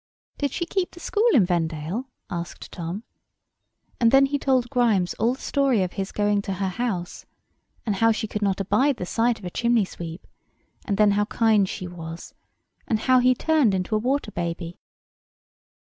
"Did she keep the school in Vendale?" asked Tom. And then he told Grimes all the story of his going to her house, and how she could not abide the sight of a chimney sweep, and then how kind she was, and how he turned into a water baby.